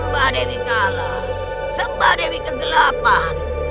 sembah dewi kalah sembah dewi kegelapan